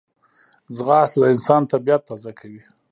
ځغاسته د انسان طبیعت تازه کوي